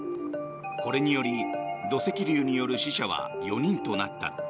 これにより土石流による死者は４人となった。